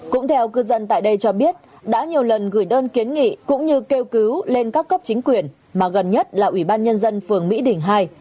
cũng theo cư dân tại đây cho biết đã nhiều lần gửi đơn kiến nghị cũng như kêu cứu lên các cấp chính quyền mà gần nhất là ủy ban nhân dân phường mỹ đình hai